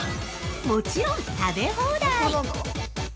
もちろん食べ放題。